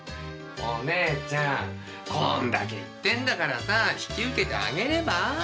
お姉ちゃんこんだけ言ってんだからさぁ引き受けてあげれば？